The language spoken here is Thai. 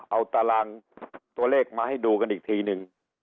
เอาตารางตัวเลขมาให้ดูกันอีกทีนึง